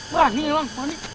berani emang berani